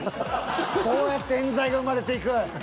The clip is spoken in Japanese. こうやって冤罪が生まれていく！